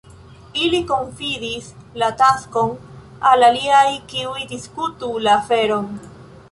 Ili konfidis la taskon al aliaj, kiuj diskutu la aferon.